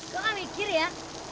gue gak mikir ya